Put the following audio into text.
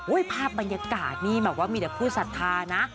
โอ้ยภาพบรรยากาศนี่หมายความว่ามีแต่ผู้ศรัทธานะ